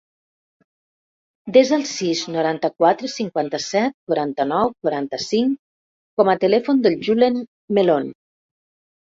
Desa el sis, noranta-quatre, cinquanta-set, quaranta-nou, quaranta-cinc com a telèfon del Julen Melon.